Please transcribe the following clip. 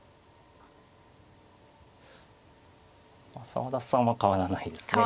澤田さんは変わらないですね。